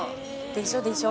でしょ、でしょ。